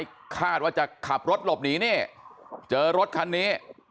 ทางที่คนร้ายคาดว่าจะขับรถหลบหนีเนี่ยเจอรถคันนี้